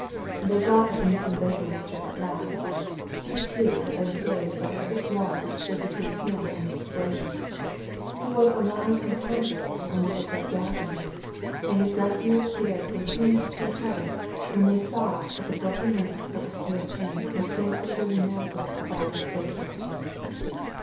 They got at the missing bank manager at last he, too, had been saved by the thick wall which stood between him and the explosion. He was alive and conscious when they had dug down to him and his rescuers stared from him to each other when they saw that the broken links of a steel chain were still securely manacled about his waist.